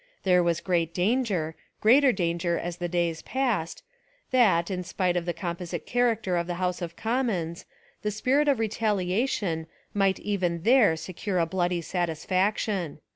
There was great danger — greater danger as the days passed — that, in spite of the composite char acter of the House of Commons, the spirit, of retaliation might even there secure a bloody satisfaction.